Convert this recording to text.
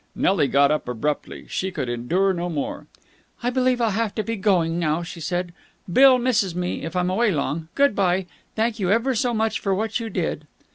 Nelly got up abruptly. She could endure no more. "I believe I'll have to be going now," she said. "Bill misses me if I'm away long. Good bye. Thank you ever so much for what you did."